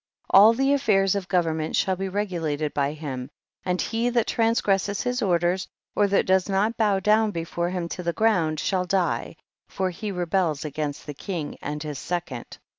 all the affairs of government shall be regulated by him, and he that trans gresses his orders, or that does not bow down before him to the ground, shall die, for he rebels against the king and his second.